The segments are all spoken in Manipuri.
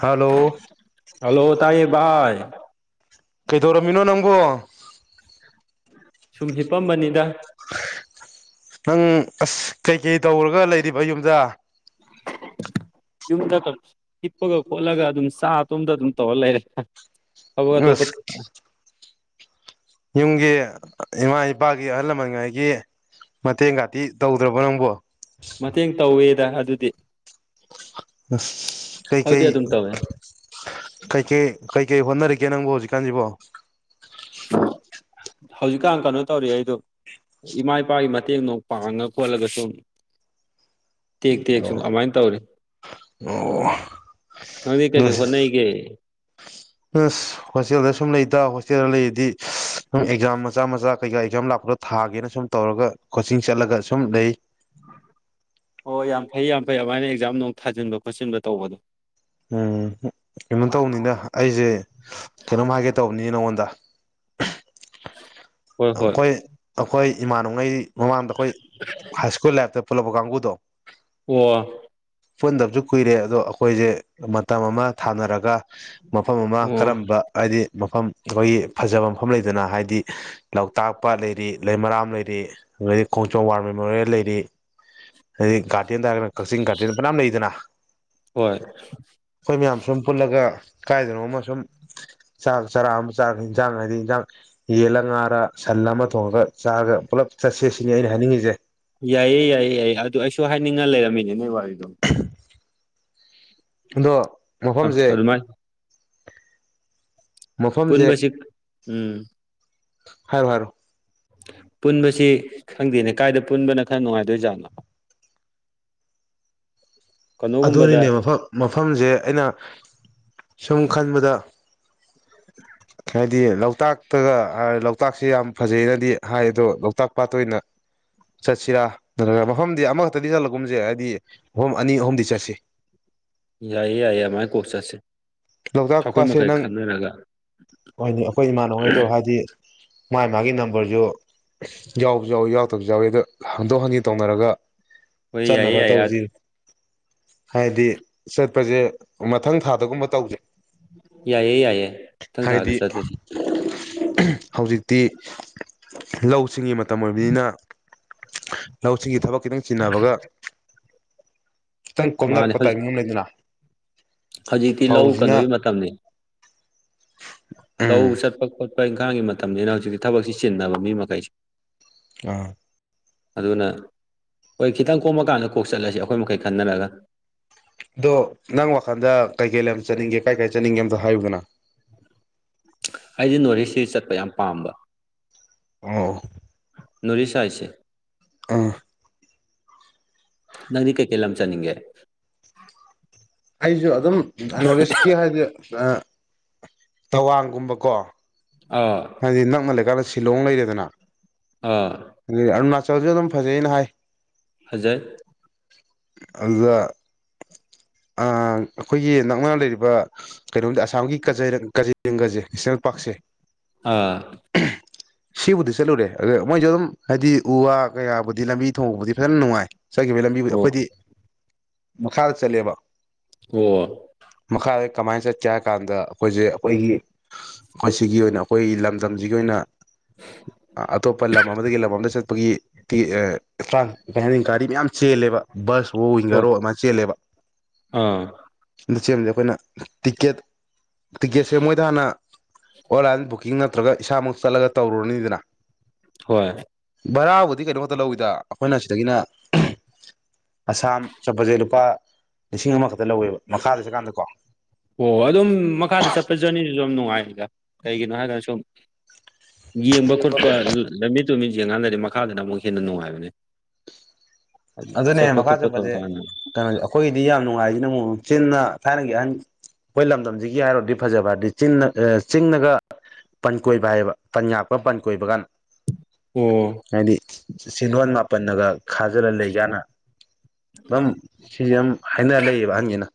ꯍꯂꯣ ꯚꯏ ꯀꯩꯗꯧꯔꯃꯤꯅꯣ ꯅꯪꯒꯣ ꯁꯨꯝ ꯍꯤꯞꯄꯝꯕꯅꯤꯗ ꯅꯪ ꯑꯁ ꯀꯩꯀꯩ ꯇꯧꯔꯒ ꯂꯩꯔꯤꯕ ꯌꯨꯝꯗ ꯌꯨꯝꯗ ꯀꯤꯞꯄꯒ ꯈꯣꯠꯂꯒ ꯑꯗꯨꯝ ꯆꯥ ꯑꯇꯣꯝꯗ ꯑꯗꯨꯝ ꯇꯧꯔ ꯂꯩꯔꯦ ꯑ ꯇꯣꯄ ꯑꯁ ꯌꯨꯝꯒꯤ ꯏꯃꯥ ꯏꯄꯥꯒꯤ ꯑꯍꯜ ꯂꯃꯟꯉꯥꯏꯒꯤ ꯃꯇꯦꯡ ꯀꯇꯤ ꯇꯧꯗ꯭ꯔꯕꯣ ꯅꯪꯕꯣ ꯃꯇꯦꯡ ꯇꯧꯋꯦ ꯗ ꯑꯗꯨꯗꯤ ꯑ ꯀꯩ ꯑꯗꯨꯗꯤ ꯀꯩ ꯑꯗꯨꯝ ꯇꯧꯋꯦ ꯀꯩ ꯀꯩ ꯀꯩ ꯀꯩ ꯍꯣꯟꯅꯔ ꯦ ꯅꯪꯕꯣ ꯍꯧꯖꯤꯛꯀꯥꯟꯁꯤꯕꯣ [unintelligible] ꯍꯧꯖꯤꯛꯀꯥꯟ ꯀꯩꯅꯣ ꯇꯧꯔꯤ ꯑꯩꯗꯣ ꯏꯃꯥ ꯏꯄꯥꯒꯤ ꯃꯇꯦꯡꯗꯣ ꯄꯥꯡꯉ ꯈꯣꯠꯂꯒ ꯁ ꯇꯦꯛ ꯇꯦꯛ ꯑꯣ ꯁꯨꯝ ꯑꯗꯨꯃꯥꯏꯅ ꯇꯧꯔꯤ ꯑꯣ ꯅꯪꯗꯤ ꯀꯩꯀꯩ ꯍꯣꯠꯅꯩꯒꯦ ꯎꯝ ꯍꯣꯁꯇꯦꯜꯗ ꯁꯨꯝ ꯂꯩꯇ ꯍꯣꯁꯇꯦꯜꯗ ꯂꯩꯔꯗꯤ ꯅꯪ ꯑꯦꯛꯖꯥꯝ ꯃꯆꯥ ꯃꯆꯥ ꯀꯩꯀꯥ ꯑꯦꯛꯖꯥꯝ ꯂꯥꯛꯄꯗꯣ ꯊꯥꯒꯦꯅ ꯁꯨꯝ ꯇꯧꯔꯒ ꯀꯣꯆꯤꯡ ꯆꯠꯂꯒ ꯁꯨꯝ ꯂꯩ ꯑꯣ ꯌꯥꯝ ꯐꯩ ꯌꯥꯝ ꯐꯩ ꯑꯗꯨꯃꯥꯏꯅ ꯑꯦꯛꯖꯥꯝ ꯅꯨꯡ ꯊꯥꯖꯤꯟꯕ ꯈꯣꯠꯆꯤꯟꯕ ꯇꯧꯕꯗꯣ ꯎꯝ ꯀꯩꯅꯣ ꯇꯧꯕꯅꯤꯅ ꯑꯩꯁꯦ ꯀꯩꯅꯣꯝ ꯍꯥꯏꯒꯦ ꯇꯧꯕꯅꯤ ꯅꯉꯣꯟꯗ ꯎ ꯑꯩꯈꯣꯏ ꯑꯩꯈꯣꯏ ꯏꯃꯥꯟꯉꯩ ꯃꯃꯥꯡꯗ ꯑꯩꯈꯣꯏ ꯍꯥꯏ ꯁ꯭ꯀꯨꯜ ꯂꯥꯏꯞꯇ ꯐꯂꯕ ꯀꯥꯡꯕꯨꯗꯣ ꯑꯣ ꯄꯨꯟꯗꯕꯁꯨ ꯀꯨꯏꯔꯦ ꯑꯗꯣ ꯑꯩꯈꯣꯏꯁꯦ ꯃꯇꯝ ꯑꯃ ꯊꯥꯅꯔꯒ ꯃꯐꯝ ꯑꯃ ꯑꯣ ꯀꯔꯝꯕ ꯍꯥꯏꯗꯤ ꯃꯐꯝ ꯑꯩꯈꯣꯏꯒꯤ ꯐꯖꯕ ꯃꯐꯝ ꯂꯩꯗꯅ ꯍꯥꯏꯗꯤ ꯂꯣꯛꯇꯥꯛ ꯄ ꯂꯩꯔꯤ ꯂꯩꯃꯔꯥꯝ ꯂꯩꯔꯤ ꯑꯗꯩ ꯈꯣꯡꯆꯣꯝ ꯋꯥꯔ ꯃꯦꯃꯣꯔꯤꯌꯦꯜ ꯂꯩꯔꯤ ꯑꯗꯩꯒꯥ ꯀꯁꯤꯤꯡ ꯀ ꯃꯅꯥꯝ ꯂꯩꯗꯅ ꯍꯣꯏ ꯑꯩꯈꯣꯏ ꯃꯌꯥꯝ ꯁꯨꯝ ꯄꯨꯜꯂꯒ ꯀꯥꯏꯗꯅꯣ ꯑꯃ ꯁꯨꯝ ꯆꯥꯛ ꯆꯔꯥ ꯑꯃ ꯆꯥꯔꯒ ꯌꯦꯟꯖꯥꯡ ꯍꯥꯏꯗꯤ ꯌꯦꯟꯖꯥꯡ ꯌꯦꯜꯂ ꯉꯥꯔ ꯁꯟ ꯑꯃ ꯊꯣꯡꯉꯒ ꯆꯥꯔꯒ ꯄꯨꯜꯂꯞ ꯆꯠꯁꯦꯠ ꯁꯤꯅꯤ ꯑꯩꯅ ꯍꯥꯏꯅꯤꯡꯉꯤꯁꯦ ꯌꯦꯅꯦꯕꯏ ꯝ ꯑꯗꯣ ꯑ ꯃꯐꯝꯁꯦ ꯑꯗꯨ ꯃꯥ ꯃꯐꯝꯁꯦ ꯄꯨꯟꯕꯁꯤ ꯎꯝ ꯍꯥꯏꯔꯣ ꯍꯥꯏꯔꯣ ꯄꯨꯟꯕꯁꯤ ꯈꯪꯗꯦꯅꯦ ꯀꯥꯏꯗ ꯄꯨꯟꯕꯅ ꯈꯔ ꯅꯨꯡꯉꯥꯏꯗꯣꯏ ꯖꯥꯠꯅꯣ ꯀꯩꯅꯣꯒꯨꯝꯕꯗ ꯑꯗꯨꯅꯤꯅꯦ ꯃꯐꯝ ꯃꯐꯝꯁꯦ ꯑꯩꯅ ꯁꯨꯝ ꯈꯟꯕꯗ ꯍꯥꯏꯗꯤ ꯂꯣꯛꯇꯥꯛꯇꯒ ꯂꯣꯛꯇꯥꯛꯁꯦ ꯌꯥꯝ ꯐꯖꯅꯗꯤ ꯍꯥꯏ ꯑꯗꯣ ꯂꯣꯛꯇꯥꯛ ꯄꯥꯠꯇ ꯑꯣꯏꯅ ꯆꯠꯁꯤꯔꯥ ꯅꯠꯇ꯭ꯔꯒ ꯃꯐꯝꯗꯤ ꯑꯃꯈꯛꯇꯗꯤ ꯆꯠꯂꯒꯨꯝꯁꯦ ꯍꯥꯏꯗꯤ ꯃꯐꯝ ꯑꯅꯤ ꯑꯍꯨꯝꯗꯤ ꯆꯁꯤ ꯌꯥꯏꯌꯦ ꯌꯥꯏꯌꯦ ꯑꯃꯥꯏ ꯀꯣꯆꯦ ꯂꯣꯛꯇꯥꯛ ꯄꯥꯠꯁꯦ ꯅꯪꯅꯤ ꯑꯩꯈꯣꯏ ꯏꯃꯥꯟꯅꯍꯣꯏꯗꯣ ꯍꯥꯏꯗꯤ ꯃꯥꯥꯏ ꯃꯥꯒꯤ ꯅꯝꯕꯔꯁꯨ ꯌꯥꯎ ꯌꯥꯎ ꯌꯥꯎ ꯁꯨ ꯌꯥꯎꯋꯤ ꯑꯗꯣ ꯍꯟꯗꯣꯛ ꯍꯟꯖꯤ ꯇꯧꯅꯔꯒ ꯑꯣꯏꯣꯏ ꯌꯥꯏꯌꯦ ꯆꯠꯅꯕ ꯌꯥꯏ ꯌꯥꯗ ꯇꯧꯁꯤ ꯍꯥꯏꯗꯤ ꯆꯠꯄꯁꯦ ꯃꯊꯪ ꯊꯥꯗꯒꯨꯝꯕ ꯇꯧꯖꯩ ꯌꯥꯏꯌꯦꯦ ꯌꯥꯏꯌꯦꯦ ꯏꯈꯤꯊꯪ ꯊꯥꯗ ꯍꯥꯏꯗꯤ ꯆꯠꯂꯁꯤ ꯍꯧꯖꯤꯛꯇꯤ ꯂꯧꯁꯤꯡꯒꯤ ꯃꯇꯝ ꯑꯣꯏꯕꯅꯤꯅ ꯂꯧꯁꯤꯒꯤ ꯊꯕꯛ ꯈꯤꯇꯪ ꯆꯤꯟꯅꯕꯒ ꯁꯪ ꯃꯥꯅꯦ ꯀꯗꯔꯄ ꯇꯥꯏ ꯍꯧꯖꯤꯛ ꯃꯃꯩꯗꯅ ꯍꯧꯖꯤꯛꯇꯤ ꯂꯧ ꯀꯩꯅꯣꯒꯤ ꯃꯇꯝꯅꯤ ꯂꯧ ꯎꯝ ꯆꯠꯄꯛꯄ ꯂꯄꯥꯛ ꯏꯪꯈꯥꯡꯒꯤ ꯃꯇꯝꯅꯤꯅ ꯍꯧꯖꯤꯛꯇꯤ ꯊꯕꯛꯁꯤ ꯆꯤꯟꯅꯕ ꯃꯤ ꯃꯈꯩꯁꯦ ꯑꯥ ꯑꯗꯨꯅ ꯍꯣꯏ ꯈꯤꯇꯪ ꯀꯣꯝꯃꯀꯥꯟꯗ ꯀꯣꯛ ꯆꯠꯂꯁꯤ ꯑꯩꯈꯣꯏ ꯃꯈꯩ ꯈꯟꯅꯔꯒ ꯑꯗꯣ ꯅꯪ ꯋꯥꯈꯜꯗ ꯀꯩꯀꯩ ꯂꯩ ꯆꯠꯅꯤꯡꯒꯦ ꯀꯥꯏ ꯀꯥꯏ ꯆꯠꯅꯤꯡꯒꯦ ꯑꯝꯇ ꯍꯥꯏꯌꯨꯗꯅ ꯑꯩꯗꯤ ꯅꯣꯔꯠ ꯏꯁꯁꯤ ꯆꯠꯄ ꯌꯥꯝ ꯄꯥꯝꯕ ꯑ ꯅꯨꯔꯤ ꯆꯥꯏꯁꯦ [inaudible] ꯅꯪꯗꯤ ꯀꯩꯀꯩ ꯂꯝ ꯆꯅꯤꯡꯒꯦ ꯍꯥꯏꯖ ꯑꯗꯨꯝ ꯅꯣꯔꯠ ꯏꯁꯀꯤ ꯍꯥꯏꯗꯤ ꯊꯋꯥꯡꯒꯨꯝꯕꯀꯣ ꯑꯥ ꯍꯥꯏꯗꯤ ꯅꯪ ꯃꯜ ꯀꯂ ꯁꯤꯂꯣꯡ ꯂꯩꯔꯗꯅ ꯑꯥ ꯑꯔꯨꯅꯥꯥꯆ ꯧꯁꯨ ꯑꯗꯨꯝ ꯐꯖꯩ ꯑꯩꯅ ꯍꯥꯏ ꯍꯧꯖꯔ ꯑꯗꯨꯗ ꯑꯩꯈꯣꯏꯒꯤ ꯅꯛꯅꯥ ꯂꯩꯔꯤꯕ ꯀꯩꯅꯣꯝꯗꯤ ꯑꯁꯥꯝꯒꯤ ꯀꯖꯩꯔꯦꯡꯒꯁꯦ ꯏꯆꯦꯜ ꯄꯥꯛꯁꯦ ꯑꯥ ꯁꯤꯕꯨꯗꯤ ꯆꯠꯂꯨꯔꯦ ꯑ ꯃꯣꯏꯁꯨ ꯑꯗꯨꯝ ꯍꯥꯏꯗꯤ ꯎ ꯋꯥ ꯀꯌꯥꯕꯨꯗꯤ ꯂꯝꯕꯤ ꯊꯣꯡꯕꯕꯨꯗꯤ ꯐꯖꯅ ꯅꯨꯡꯉꯥꯏ ꯆꯠꯈꯤꯕꯒꯤ ꯂꯝꯕꯤ ꯑꯣ ꯑꯩꯈꯣꯏꯗꯤ ꯃꯈꯥ ꯆꯂꯦꯕ ꯑꯣ ꯀꯃꯥꯏꯅ ꯆꯠꯀꯦ ꯍꯥꯏ ꯀꯥꯟꯗ ꯑꯩꯈꯣꯏꯁꯦ ꯑꯩꯈꯣꯏꯒꯤ ꯑꯩꯈꯣꯏ ꯁꯤꯒꯤ ꯑꯣꯏꯅ ꯑꯩꯈꯣꯏꯒꯤ ꯂꯝꯗꯝꯁꯤꯒꯤ ꯑꯣꯏꯅ ꯑꯇꯣꯞꯄ ꯂꯝ ꯑꯃꯗꯒꯤ ꯂꯝ ꯑꯃꯗ ꯆꯠꯄꯒꯤ ꯇ꯭ꯔꯥꯟꯄ ꯒꯥꯔꯤ ꯃꯌꯥꯝ ꯆꯦꯜꯂꯦꯕ ꯕꯁ ꯍꯣ ꯍꯣꯏ ꯋꯤꯡꯒꯔꯣ ꯑꯃ ꯆꯦꯜꯂꯦꯕ ꯑꯥ ꯑ ꯆ ꯁꯦꯝꯕꯁꯦ ꯑꯩꯈꯣꯏꯅ ꯇꯤꯛꯀꯦꯠ ꯇꯀꯦ ꯁꯃꯣꯏꯗꯅ ꯑꯣꯟꯂꯥꯏꯟ ꯕꯨꯛꯀꯤꯡ ꯅꯠꯇ꯭ꯔꯒ ꯏꯁꯥꯃꯛ ꯆꯠꯂꯒ ꯇꯧꯔꯨꯔꯅꯤꯗꯅ ꯍꯣꯏ ꯕꯔꯥꯕꯨꯗꯤ ꯀꯩꯅꯣꯝꯃꯛꯇ ꯂꯧꯋꯤꯗ ꯑꯩꯈꯣꯏꯅ ꯁꯤꯗꯒꯤꯅ ꯑꯁꯥꯝ ꯆꯣꯠꯄꯁꯦ ꯂꯨꯄꯥ ꯂꯤꯁꯤꯡ ꯑꯃꯈꯛꯇ ꯂꯧꯋꯦꯕ ꯃꯈꯥꯗ ꯆꯠꯀꯥꯟꯗꯀꯣ ꯑꯣ ꯑꯗꯨꯝ ꯃꯈꯥꯗ ꯆꯠꯄ ꯖꯔꯅꯤꯗꯨꯁꯨ ꯑꯗꯨ ꯅꯨꯡꯉꯥꯏ ꯀꯩꯒꯤꯅꯣ ꯍꯥꯏꯒꯥꯟꯅ ꯁꯨꯝ ꯌꯦꯡꯕ ꯈꯣꯠꯄ ꯂꯝꯃꯤꯠ ꯇꯃꯤꯟ ꯌꯦꯡꯉꯥꯟ ꯂꯩꯔꯦ ꯃꯈꯥꯗꯅ ꯑꯃꯨꯛ ꯍꯦꯟꯅ ꯅꯨꯡꯉꯥꯏꯕꯅꯦ ꯍꯥꯏꯗꯤ ꯑꯗꯨꯅꯦ ꯆꯠꯄ ꯃꯈꯥ ꯈꯣꯠꯄ ꯆꯠꯄꯁꯦ ꯇꯧꯔꯀꯥꯟꯗ ꯀꯩꯅꯣ ꯑꯩꯈꯣꯏꯒꯤꯗꯤ ꯌꯥꯝ ꯅꯨꯡꯉꯥꯏꯁꯤꯅ ꯑꯃꯨꯛ ꯆꯤꯟꯅ ꯊꯥꯏꯅꯒꯤ ꯑꯍꯟ ꯑꯩꯈꯣꯏ ꯂꯝꯗꯝꯁꯤꯒꯤ ꯍꯥꯏꯔꯨꯔꯗꯤ ꯐꯖꯕ ꯍꯥꯏꯔꯗꯤ ꯆꯤꯟꯅ ꯆꯤꯡꯅꯒ ꯄꯟ ꯀꯣꯏꯕ ꯍꯥꯏꯌꯦꯕ ꯄꯟ ꯉꯥꯛꯄ ꯄꯟ ꯀꯣꯏꯕ ꯀꯥꯟꯗ ꯑꯣ ꯍꯥꯏꯗꯤ ꯁꯤꯒꯋꯥꯟ ꯃꯥꯄꯟ ꯅꯒ ꯈꯥꯖꯂ ꯂꯩ ꯌꯥꯅ ꯑꯗꯨꯝ ꯁꯤꯁꯦ ꯌꯥꯝ ꯍꯥꯏꯅꯔ ꯂꯩꯌꯦꯕ ꯑꯍꯟꯁꯤꯅ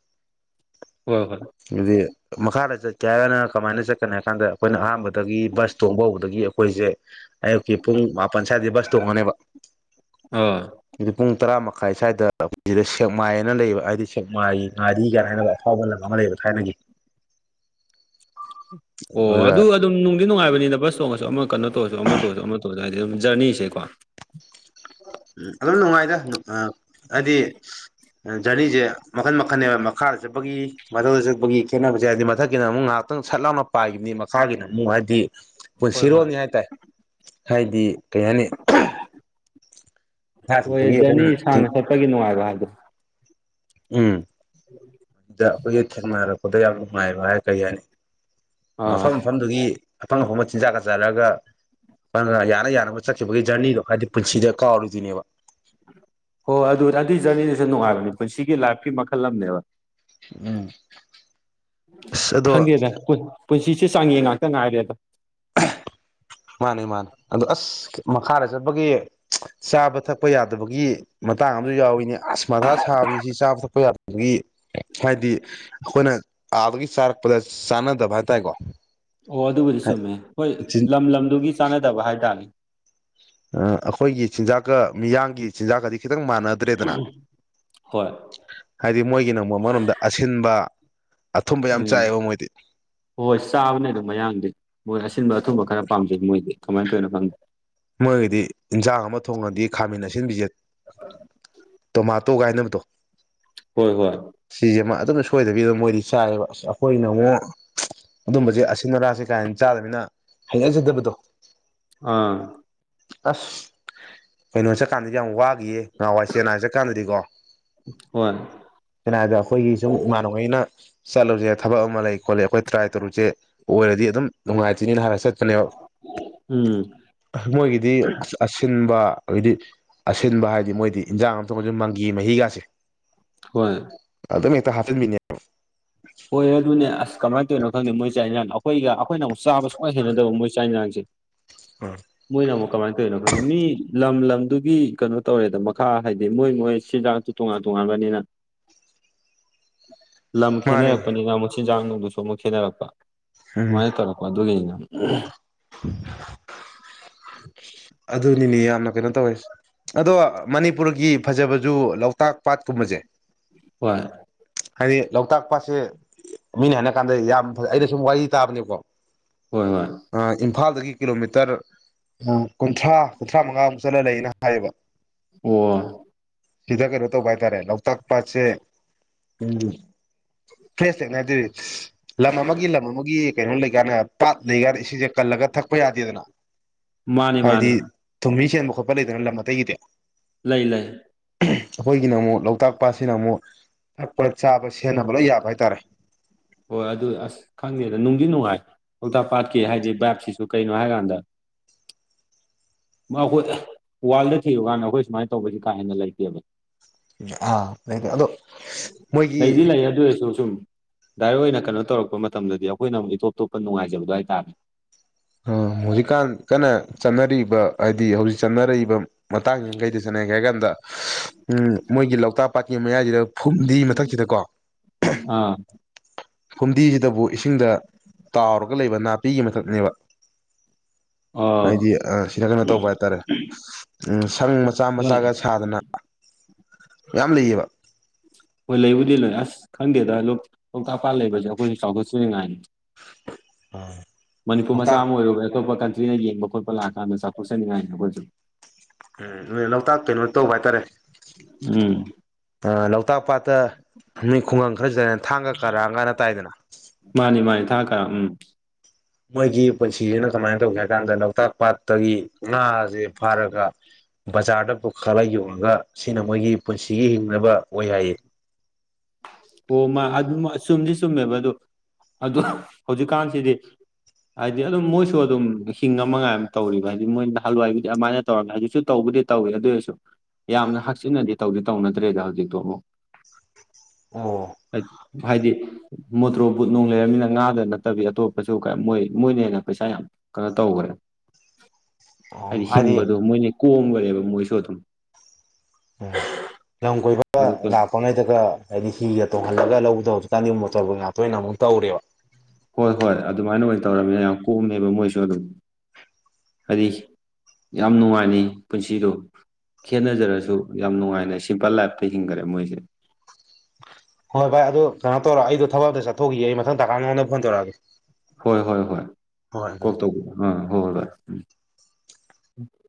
ꯍꯣꯏ ꯍꯣꯏ ꯏꯗꯤ ꯃꯀꯥꯖꯥ ꯀꯌꯥ ꯍꯥꯏꯒꯅ ꯀꯃꯥꯏꯅ ꯆꯠꯀꯅꯤ ꯍꯥꯏ ꯀꯥꯟꯗ ꯑꯩꯈꯣꯏꯅ ꯑꯍꯥꯟꯕꯗ ꯑꯗꯒꯤ ꯕꯁ ꯇꯣꯡꯕ ꯍꯧꯕꯗꯒꯤ ꯑꯩꯈ ꯑꯩꯈꯣꯏꯁꯦ ꯑꯌꯨꯛꯀꯤ ꯄꯨꯡ ꯄꯟꯆꯥꯌꯦꯗꯤ ꯕꯁ ꯇꯣꯡꯉꯅꯦꯕ ꯑꯥ ꯑꯗꯨꯗꯤ ꯄꯨꯡ ꯇꯔꯥꯃ ꯈꯥꯏ ꯁ꯭ꯋꯥꯏꯗ ꯁꯤꯗ ꯁꯦꯛꯃꯥꯏꯅ ꯂꯩꯕ ꯍꯥꯏꯗꯤ ꯁꯦꯛꯃꯥꯏ ꯉꯥꯔꯤꯒꯅ ꯍꯥꯏꯅꯕ ꯑꯐꯥꯎꯕ ꯂꯝ ꯑꯃ ꯂꯩꯕ ꯊꯥꯏꯅ ꯑꯣ ꯑꯗꯨ ꯑꯗꯨꯝ ꯅꯨꯡꯗꯤ ꯅꯨꯡꯉꯥꯏꯕꯅꯤꯅ ꯕꯁ ꯇꯣꯡꯉꯁꯨ ꯑꯃ ꯀꯟꯅꯣ ꯇꯧꯔꯁꯨ ꯑꯃ ꯇꯧꯔꯁꯨ ꯑꯃ ꯇꯧꯔꯁꯨ ꯍꯥꯏꯗꯤ ꯑꯗꯨꯝ ꯖꯔꯅꯤꯁꯦꯀꯣ ꯎꯝ ꯑꯗꯨꯝ ꯅꯨꯡꯉꯥꯏꯖꯦ ꯑꯗꯨꯗꯤ ꯖꯔꯅꯤꯁꯦ ꯃꯈꯟ ꯃꯈꯜꯕ ꯃꯈꯥꯗ ꯆꯠꯄꯒꯤ ꯃꯊꯗ ꯆꯠꯄꯒꯤ ꯈꯦꯠꯅꯕꯁꯦ ꯍꯥꯏꯗꯤ ꯃꯊꯛꯀꯤꯅ ꯑꯃꯨꯛ ꯉꯥꯏꯍꯥꯛꯇꯪ ꯁꯠ ꯂꯥꯎꯅ ꯄꯥꯏꯈꯤꯕꯅꯤ ꯃꯈꯥꯒꯤꯅ ꯑꯃꯨꯛ ꯍꯥꯏꯕꯗꯤ ꯄ ꯍꯣꯏ ꯍꯣꯏ ꯁꯤꯔꯣꯅꯤ ꯌꯥꯥꯏ ꯇꯥꯏ ꯍꯥꯏꯗꯤ ꯀꯩ ꯍꯥꯏꯅꯤ ꯃꯈꯥ ꯍꯣꯏ ꯆꯠꯄꯒꯤ ꯑꯩꯈꯣꯏꯅ ꯖꯔꯅꯤ ꯁꯥꯡꯅ ꯆꯠꯄꯒꯤ ꯅꯨꯡꯉꯥꯏꯕ ꯍꯥꯏꯗꯣ ꯎꯝ ꯎꯝ ꯁꯤꯗ ꯑꯩꯈꯣꯏꯒꯤ ꯊꯦꯡꯅꯔꯛꯄꯗ ꯌꯥꯝ ꯅꯨꯡꯉꯥꯏꯕ ꯍꯥꯏ ꯀꯔꯤ ꯍꯥꯏꯅꯤ ꯑꯥ ꯃꯐꯝ ꯃꯐꯝꯗꯨꯒꯤ ꯑꯐꯪ ꯑꯐꯣꯡꯕ ꯆꯤꯟꯖꯥꯛꯒ ꯆꯥꯔꯒ ꯑꯪ ꯌꯥꯅ ꯌꯥꯅꯕ ꯆꯠꯈꯤꯕꯒꯤ ꯖꯔꯅꯤꯗꯣ ꯍꯥꯏꯕꯗꯤ ꯄꯨꯟꯁꯤꯗ ꯀꯥꯎꯔꯨꯗꯣꯏꯅꯦꯕ ꯍꯣ ꯑꯗꯨ ꯑꯗꯨꯏ ꯖꯔꯅꯤꯗꯁꯨ ꯅꯨꯡꯉꯥꯏꯕꯅꯤ ꯄꯨꯟꯁꯤꯒꯤ ꯂꯥꯏꯐꯀꯤ ꯃꯈꯜ ꯑꯃꯅꯦꯕ ꯎꯝ ꯑꯁ ꯑꯗꯣ ꯈꯪꯒꯤꯗꯣꯏ ꯄꯨꯟꯁꯤꯁꯦ ꯆꯥꯡꯌꯦ ꯉꯥꯛꯇ ꯉꯥꯏꯔꯦꯗ ꯃꯥꯅꯤ ꯃꯥꯅꯤ ꯑꯗꯨ ꯑꯁ ꯃꯈꯥꯗ ꯆꯠꯄꯒꯤ ꯆꯥꯕ ꯊꯛꯄ ꯌꯥꯗꯕꯒꯤ ꯃꯇꯥꯡ ꯑꯃꯁꯨ ꯌꯥꯎꯏꯤꯅꯦ ꯑꯁꯃꯊꯥ ꯁꯥꯕꯁꯤ ꯁꯤ ꯆꯥꯕ ꯊꯛꯄ ꯌꯥꯗ ꯑꯗꯒꯤ ꯍꯥꯏꯗꯤ ꯑꯩꯈꯣꯏꯅ ꯑꯥꯗꯒꯤ ꯆꯥꯔꯛꯄꯗ ꯆꯥꯟꯅꯗꯕ ꯍꯥꯏꯇꯥꯔꯦꯀꯣ ꯑꯣ ꯑꯗꯨꯕꯨꯗꯤ ꯆꯨꯝꯃꯦ ꯍꯣꯏ ꯂꯝ ꯂꯝꯗꯨꯒꯤ ꯆꯅꯗꯕ ꯍꯥꯏ ꯄꯃꯤ ꯑꯩꯈꯣꯏꯒꯤ ꯆꯤꯟꯖꯥꯛꯀ ꯃꯤꯌꯥꯝꯒꯤ ꯆꯤꯟꯖꯥꯛꯀꯗꯤ ꯈꯤꯇꯪ ꯃꯥꯟꯅꯗ꯭ꯔꯦꯗꯅ ꯍꯣꯏ ꯍꯥꯏꯗꯤ ꯃꯣꯏꯒꯤ ꯅꯪ ꯑꯃꯔꯣꯝꯗ ꯑꯁꯤꯟꯕ ꯑꯊꯨꯝꯕ ꯌꯥꯝ ꯎꯝ ꯆꯥꯏꯑꯕ ꯃꯣꯏꯗꯤ ꯍꯣꯏ ꯆꯥꯕꯅꯦ ꯑꯗꯨꯝ ꯃꯌꯥꯡꯗꯤ ꯃꯣꯔꯁꯤꯦ ꯑꯁꯤꯤꯟꯕ ꯑꯊꯨꯝꯕ ꯈꯔ ꯄꯥꯝꯖꯩ ꯃꯣꯏꯗꯤ ꯀꯃꯥꯏꯅꯧꯅꯣꯪꯗꯦ ꯃꯣꯏꯒꯤꯗꯤ ꯏꯟꯖꯥꯡ ꯑꯃ ꯊꯣꯡꯉꯗꯤ ꯈꯥꯃꯤꯟꯅꯁꯤꯟꯕꯤꯁꯦ ꯇꯣꯃꯥ ꯇꯧ ꯀꯒꯥꯏꯅꯕꯗꯣ ꯍꯣꯏ ꯍꯣꯏ ꯑꯗꯨꯝꯅ ꯁꯣꯏꯗꯕꯤꯗ ꯃꯣꯏꯗꯤ ꯆꯥꯏꯔꯦꯕ ꯑꯁ ꯑꯩꯈꯣꯏꯅ ꯑꯃꯨꯛ ꯑꯗꯨꯝꯕꯁꯦ ꯑꯁꯤꯟ ꯃꯔꯥꯁꯦ ꯀꯥꯏꯅ ꯆꯥꯗꯅꯤꯅ ꯍꯉꯖꯗꯕꯗꯣ ꯑꯥ ꯑꯁ ꯀꯩꯅꯣ ꯆꯠꯀꯥꯟꯗꯗꯤ ꯌꯥꯝ ꯋꯥꯈꯤꯌꯦ ꯅꯍꯥꯟꯋꯥꯏ ꯁꯦꯅꯥꯏ ꯆꯠꯀꯥꯟꯗꯗꯤꯀꯣ ꯍꯣꯏ ꯆꯦꯡꯅꯥꯏꯗ ꯑꯩꯈꯣꯏꯒꯤ ꯁꯨꯝ ꯏꯃꯥꯟꯅꯕꯩꯅ ꯆꯠꯂꯨꯁꯦ ꯊꯕꯛ ꯑꯃ ꯂꯩ ꯈꯣꯠꯂꯤ ꯑꯩꯈꯣꯏ ꯇ꯭ꯔꯥꯏ ꯇꯧꯔꯨꯁꯦ ꯑꯣꯏꯔꯗꯤ ꯑꯗꯨꯝ ꯅꯨꯡꯉꯥꯏꯇ꯭ꯅꯤꯅ ꯍꯥꯏꯔ ꯆꯠꯦ ꯎꯝ ꯃꯣꯏꯒꯤꯗꯤ ꯑꯁꯤꯟ ꯕ ꯑꯩꯗꯤ ꯑꯁꯤꯟꯕ ꯍꯥꯏꯗꯤ ꯃꯣꯏꯗꯤ ꯏꯟꯖꯥꯡ ꯑꯝꯇꯪ ꯃꯪꯒꯤ ꯃꯍꯤꯒꯥꯁꯦ ꯍꯣꯏ ꯍꯥ ꯃꯤꯅꯤ ꯍꯣꯏ ꯑꯗꯨꯅꯦ ꯑꯁ ꯀꯃꯥꯏꯅ ꯇꯧꯔꯤꯅꯣ ꯈꯪꯗꯦ ꯃꯣꯏ ꯆꯥꯛ ꯏꯟꯔꯥꯡ ꯑꯩꯈꯣꯏꯒꯈꯣꯏꯅ ꯑꯃꯨꯛ ꯆꯥꯕ ꯁꯨꯡꯛꯅ ꯍꯦꯟꯅꯗꯕ ꯃꯣꯏꯥꯛ ꯏꯟꯔꯥꯡꯁꯦ ꯃꯣꯏꯅꯥ ꯑꯃ ꯀꯃꯥꯏꯅ ꯇꯧꯔꯤꯅꯣ ꯑꯩꯈꯣꯏꯅ ꯃꯤ ꯂꯝ ꯂꯝꯗꯨꯒꯤ ꯀꯩꯅꯣ ꯇꯧꯔꯦꯗ ꯃꯈꯥ ꯍꯥꯏꯗꯤ ꯃꯣꯏ ꯃꯣꯏ ꯆꯤꯟꯖꯥꯛꯇꯨ ꯇꯣꯉꯥꯟ ꯇꯣꯉꯥꯟꯕꯅꯤꯅ ꯂꯝ ꯃꯥꯅꯦ ꯈꯦꯅꯔꯛꯄꯅꯤꯒ ꯆꯤꯟꯖꯥꯡ ꯅꯨꯡꯗꯨꯁꯨ ꯑꯃꯨꯛ ꯈꯦꯠꯅꯔꯛꯄ ꯎꯝ ꯁꯨꯃꯥꯏꯅ ꯇꯧꯔꯛꯄꯣ ꯑꯗꯨꯒꯤꯅꯦ ꯎ ꯑꯗꯨꯅꯤꯅꯦ ꯌꯥꯝꯅ ꯀꯩꯅꯣ ꯇꯧꯋꯦ ꯑꯗꯣ ꯃꯅꯤꯄꯨꯔꯒꯤ ꯐꯖꯕꯁꯨ ꯂꯣꯛꯇꯥꯛ ꯄꯥꯠꯀꯨꯝꯕꯁꯦ ꯍꯣꯏ ꯍꯥꯏꯗꯤ ꯂꯣꯛꯇꯥꯛ ꯄꯥꯠꯁꯦ ꯃꯤꯅꯤ ꯍꯥꯏꯅ ꯀꯥꯟꯗ ꯌꯥꯝ ꯐꯖꯩ ꯑꯩꯅ ꯁꯨꯝ ꯋꯥꯔꯤ ꯇꯥꯕꯅꯦꯕꯀꯣ ꯍꯣꯏ ꯍꯣꯏ ꯏꯝꯐꯥꯜꯗꯒꯤ ꯀꯤꯂꯣꯃꯤꯇꯔ ꯀꯨꯟꯊ꯭ꯔꯥ ꯀꯨꯟꯊ꯭ꯔꯥ ꯃꯉꯥꯃꯨꯛ ꯆꯠꯂ ꯂꯩꯌꯦꯅ ꯍꯥꯏꯌꯦꯕ ꯑꯣ ꯁꯤꯗꯥꯥ ꯀꯔ ꯇꯧ ꯥꯏ ꯇꯔꯦ ꯂꯧꯧꯇꯥꯛ ꯄꯥꯁꯦ ꯎ ꯐ꯭ꯔꯦꯁ ꯊꯦꯡꯅꯗꯣꯏꯗꯤ ꯂꯝ ꯑꯃꯒꯤ ꯂꯝ ꯑꯃꯒꯤ ꯀꯩꯅꯣ ꯂꯩꯀꯅꯦ ꯄꯥꯛ ꯂꯩꯒꯔ ꯏꯁꯤ ꯂꯒꯠ ꯊꯛꯄ ꯌꯥꯗꯦꯗꯅ ꯃꯥꯅꯤ ꯍꯥꯏꯗꯤ ꯃꯥꯅꯤ ꯊꯣꯃꯤꯃꯤ ꯆ ꯈꯣꯄ ꯂꯩꯗꯅ ꯂꯝ ꯃ ꯇꯩꯒꯤꯗꯦ ꯂꯩ ꯂꯩ ꯑꯩꯈꯣꯏꯒꯤꯅ ꯑꯃꯨꯛ ꯂꯣꯛꯇꯥꯛ ꯄꯥꯠꯁꯤꯅ ꯑꯃꯨꯛ ꯊꯛꯄꯗ ꯆꯥꯕ ꯁꯦꯟꯅꯕ ꯂꯣꯏ ꯌꯥꯕ ꯍꯥꯏꯇꯥꯔꯦ ꯍꯣꯏ ꯑꯗꯨ ꯑꯁ ꯈꯪꯗꯦꯗ ꯅꯨꯡꯗꯤ ꯅꯨꯡꯉꯥꯏ ꯂꯣꯛꯇꯥꯛ ꯄꯥꯠꯀꯤ ꯍꯥꯏꯗꯤ ꯕꯥꯏꯞꯁꯤꯁꯨ ꯀꯩꯅꯣ ꯍꯥꯏꯀꯥꯟꯗ ꯑꯩꯈꯣꯏ ꯋꯥꯔꯜꯗ ꯊꯤꯔꯨꯀꯥꯟꯗ ꯑꯩꯈꯣꯏ ꯁꯨꯃꯥꯏꯅ ꯇꯧꯕꯁꯤ ꯀꯥ ꯍꯦꯟꯅ ꯂꯩꯇꯦꯕ ꯑ ꯑꯗꯣ ꯂꯩꯗꯤ ꯃꯣꯏꯒꯤ ꯂꯩ ꯑꯗꯨ ꯑꯣꯏꯔꯁꯨ ꯁꯨꯝ ꯗꯥꯏꯔꯦꯛ ꯑꯣꯏꯅ ꯀꯩꯅꯣ ꯇꯧꯔꯛꯄ ꯃꯇꯝꯗ ꯑꯩꯈꯣꯏꯅ ꯑꯃꯨꯛ ꯏꯇꯣꯞꯇꯣꯞꯄ ꯅꯨꯡꯉꯥꯏꯖꯕ ꯑꯗꯨ ꯍꯥꯏꯇꯥꯔꯅꯦ ꯑ ꯃꯖꯤꯀꯥꯟ ꯀꯩꯅ ꯆꯠꯅꯔꯕ ꯍꯥꯏꯗꯤ ꯍꯧꯖꯤꯛ ꯆꯠꯅꯔꯛꯏꯕ ꯃ ꯃꯇꯥꯡꯪ ꯀꯩꯗ ꯁꯅꯉꯦꯛꯦꯒ ꯗ ꯎꯝ ꯃꯣꯏꯒꯤ ꯂꯣꯛꯇꯥꯛ ꯄꯥꯠꯀꯤ ꯃꯌꯥꯏꯁꯤꯗ ꯐꯨꯝꯗꯤ ꯃꯊꯛꯁꯤꯗꯀꯣ ꯑꯥ ꯍꯨꯝꯗꯤ ꯗꯕꯨ ꯏꯁꯤꯡꯗ ꯇꯥꯎꯔꯒ ꯂꯩꯕ ꯅꯥꯄꯤꯒꯤ ꯃꯊꯛꯅꯦꯕ ꯑꯥ ꯍꯥꯏꯗꯤ ꯑ ꯈꯤꯇ ꯀꯩꯅꯣ ꯇꯧꯕ ꯍꯥꯏꯇꯥꯔꯦ ꯎꯝ ꯁꯪ ꯃꯆꯥ ꯃꯆꯥꯒ ꯁꯥꯗꯅ ꯌꯥꯝꯂꯤ ꯏꯕ ꯍꯣꯏ ꯂꯩꯕꯨꯗꯤ ꯂꯣꯏ ꯑꯁ ꯈꯪꯗꯦꯗ ꯂꯣꯛꯇꯥꯛ ꯄꯥ ꯂꯩꯕꯁꯦ ꯑꯩꯈꯣꯏꯁꯨ ꯆꯥꯎꯈꯠꯆꯅꯤꯡꯉꯥꯏꯅꯤ ꯑ ꯃꯅꯤꯄꯨꯔ ꯃꯆꯥ ꯑꯃ ꯑꯣꯏꯔꯨꯕ ꯑꯇꯣꯞꯄ ꯀ ꯅ ꯌꯦꯡꯕ ꯈꯣꯠꯄ ꯂꯥꯛꯀꯥꯟꯗ ꯆꯥꯊꯣꯛꯆꯅꯤꯡꯉꯥꯏꯅꯤ ꯑꯩꯈꯣꯏꯁꯨ ꯎꯝ ꯂꯣꯛꯇꯥꯛ ꯀꯩꯅꯣ ꯇꯧꯕ ꯍꯥꯏꯇꯥꯔꯦ ꯎꯝ ꯑ ꯂꯣꯛꯇꯥꯛ ꯄꯥꯠꯇ ꯃꯤ ꯈꯨꯡꯥ ꯈꯪꯈꯖꯅ ꯊꯥꯡꯒ ꯀꯔꯥ ꯀꯅ ꯇꯥꯏꯗꯅ ꯊ ꯀ ꯎꯝ ꯃꯣꯏꯒꯤ ꯄꯨꯟꯁꯤꯁꯤꯅ ꯀꯃꯥꯏꯅ ꯇꯧꯒꯦ ꯍꯥꯏ ꯀꯥꯟꯗ ꯂꯣꯛꯇꯥꯛ ꯄꯥꯠꯇꯒꯤ ꯉꯥꯁꯦ ꯐꯥꯔꯒ ꯕꯖꯥꯔꯗ ꯄꯨꯈꯠꯂꯒ ꯌꯣꯉꯒ ꯁꯤꯅ ꯃꯣꯏꯒꯤ ꯄꯨꯟꯁꯤꯒꯤ ꯍꯤꯡꯅꯕ ꯑꯣꯏ ꯍꯥꯏꯌꯦ ꯑꯣ ꯃꯥ ꯑꯗꯨ ꯆꯨꯝꯗꯤ ꯆꯨꯝꯃꯦꯕ ꯑꯗꯨ ꯑꯗꯨ ꯍꯧꯖꯤꯛꯀꯥꯟꯁꯤꯗꯤ ꯍꯥꯏꯗꯤ ꯑꯗꯨꯝ ꯃꯣꯏꯁꯨ ꯑꯗꯨꯝ ꯍꯤꯡ ꯑꯃꯉꯥꯏ ꯑꯃ ꯇꯧꯔꯤꯕ ꯍꯥꯏꯗꯤ ꯃꯣꯏꯅ ꯍꯜꯋꯥꯏꯕꯨꯗꯤ ꯑꯗꯨꯃꯥꯏꯅ ꯇꯧꯔꯃꯤ ꯍꯧꯖꯤꯛꯁꯨ ꯇꯧꯕꯗꯤ ꯇꯧꯏꯦ ꯑꯗꯨ ꯑꯣꯏꯔꯁꯨ ꯌꯥꯝꯅ ꯍꯛꯆꯤꯟꯅꯗꯤ ꯇꯧꯗꯤ ꯇꯧꯅꯗ꯭ꯔꯦꯗ ꯍꯧꯖꯤꯛꯇꯣ ꯑꯃꯨꯛ ꯑꯣ ꯍꯥꯏꯥꯏꯗꯤ ꯃꯣꯇ꯭ꯔꯣ ꯕꯨꯠ ꯅꯨꯡ ꯂꯩꯔꯕꯝꯅꯤꯅ ꯉꯥꯗ ꯅꯠꯇꯕꯤ ꯑꯇꯣꯞꯄꯁꯨ ꯃꯣꯏ ꯃꯣꯏꯅ ꯍꯦꯟꯅ ꯄꯩꯁꯥ ꯌꯥꯝ ꯀꯩꯅꯣ ꯇꯧꯈ꯭ꯔꯦ ꯍꯥꯏꯗꯤ ꯁꯤꯡꯕꯗꯣ ꯃꯣꯏꯅ ꯀꯣꯝꯈꯅꯦꯦꯕ ꯃꯣꯏꯁꯨ ꯑꯗꯨꯝ ꯎꯝ ꯂꯝ ꯀꯣꯏꯕ ꯑꯗꯨ ꯂꯥꯛꯄꯉꯩꯗꯒ ꯍꯥꯏꯗꯤ ꯍꯤꯒ ꯇꯣꯡꯍꯜꯂꯒ ꯂꯧꯗꯕꯗꯨ ꯀꯥꯟꯗꯤ ꯃꯣꯆꯔꯕꯨ ꯉꯥꯛꯇꯣꯏꯅ ꯑꯃꯨꯛ ꯇꯧꯔꯦꯕ ꯍꯣꯏ ꯍꯣꯏ ꯑꯗꯨꯃꯥꯏꯅ ꯑꯣꯏꯅ ꯇꯧꯔꯕꯃꯤꯅ ꯌꯥꯝ ꯀꯣꯝꯃꯦꯕ ꯃꯣꯏꯁꯨ ꯑꯗꯨꯝ ꯍꯥꯏꯗꯤ ꯌꯥꯝ ꯅꯨꯡꯉꯥꯏꯅꯤ ꯄꯨꯟꯁꯤꯗꯣ ꯈꯦꯅꯖꯔꯁꯨ ꯌꯥꯝ ꯅꯨꯡꯉꯥꯏꯅ ꯁꯤꯝꯄꯜ ꯂꯥꯏꯐꯇ ꯍꯤꯡꯈꯔꯦ ꯃꯣꯏꯁꯦ ꯍꯣꯏ ꯚꯥꯏ ꯑꯗꯨ ꯀꯩꯅꯣ ꯇꯧꯔꯣ ꯑꯩꯗ ꯊꯕꯛꯇ ꯆꯠꯊꯣꯛꯈꯤꯌꯦ ꯃꯊꯪ ꯇꯥꯀ ꯅꯉꯣꯟꯗ ꯐꯣꯟ ꯇꯧꯛꯑꯒꯦ ꯍꯣꯏ ꯍꯣꯏ ꯍꯣꯏ ꯀꯣꯛ ꯇꯧꯕꯤꯌꯨ ꯑꯥ ꯍꯣꯏ ꯍꯣꯏ ꯚꯥꯏ ꯎꯝ